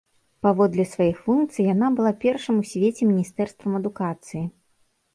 Паводле сваіх функцый яна была першым у свеце міністэрствам адукацыі.